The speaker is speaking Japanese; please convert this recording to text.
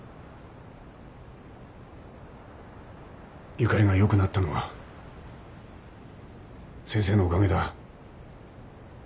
ゆかりがよくなったのは先生のおかげだ。